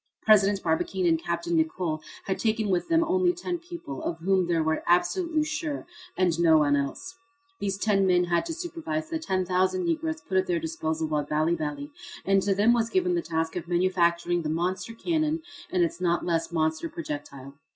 President Barbicane and Capt. Nicholl had taken with them only ten people, of whom they were absolutely sure, and no one else. These ten men had to supervise the 10,000 Negroes put at their disposal by Bali Bali, and to them was given the task of manufacturing the monster cannon and its not less monster projectile.